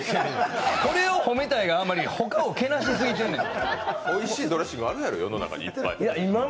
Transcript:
これを褒めたいあまりにほかをけなしすぎてるねん。